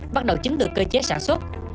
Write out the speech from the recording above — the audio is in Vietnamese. bắt đầu chính từ cơ chế sản xuất